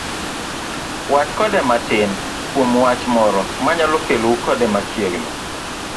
wach kode matin kuom wach moro mayalo kelou kode machiegni.